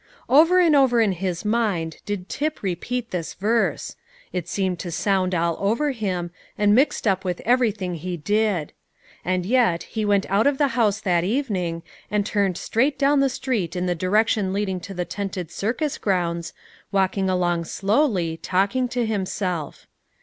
Over and over in his mind did Tip repeat this verse; it seemed to sound all around him, and mixed up with everything he did. And yet he went out of the house that evening, and turned straight down the street in the direction leading to the tented circus grounds, walking along slowly, talking to himself.